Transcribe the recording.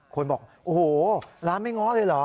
คนบอกโอ้โหร้านไม่ง้อเลยเหรอ